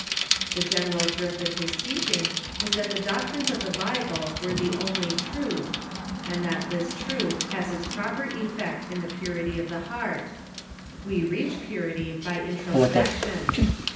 The general drift of his teaching was that the doc trines of the Bible are the only truth, and that this truth has its proper effect in the purity of the heart. We reach purity by introspection.